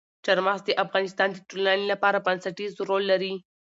چار مغز د افغانستان د ټولنې لپاره بنسټيز رول لري.